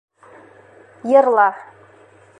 Йырла.